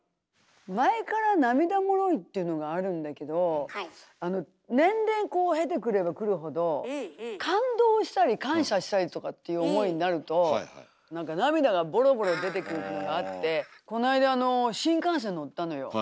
前から涙もろいっていうのがあるんだけどあの年齢こう経てくればくるほど感動したり感謝したりとかっていう思いになると何か涙がボロボロ出てくるのがあってこの間あの新幹線乗ったのよ。